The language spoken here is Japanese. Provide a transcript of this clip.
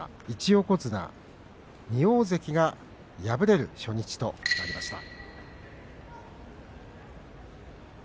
１横綱、２大関が敗れる初日となりました。